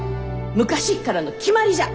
昔っからの決まりじゃ！